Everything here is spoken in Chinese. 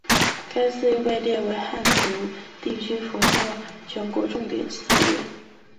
该寺又被列为汉族地区佛教全国重点寺院。